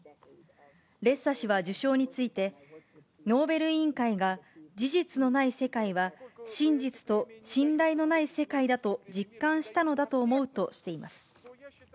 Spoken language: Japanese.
レッサ氏は受賞について、ノーベル委員会が事実のない世界は、真実と信頼のない世界だと実感したのだと思うとしています。